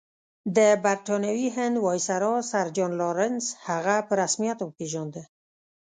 د برټانوي هند ویسرا سر جان لارنس هغه په رسمیت وپېژانده.